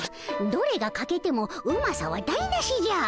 どれがかけてもうまさは台なしじゃ。